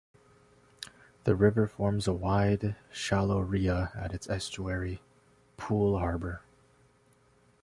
The river forms a wide, shallow ria at its estuary, Poole Harbour.